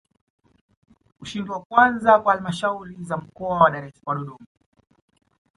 Ushindi wa kwanza kwa Halmashauri za Mkoa wa Dodoma